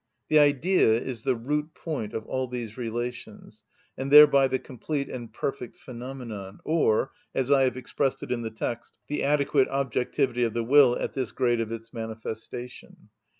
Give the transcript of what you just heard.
The Idea is the root point of all these relations, and thereby the complete and perfect phenomenon, or, as I have expressed it in the text, the adequate objectivity of the will at this grade of its manifestation.